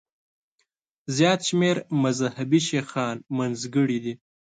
زیات شمېر مذهبي شیخان منځګړي دي.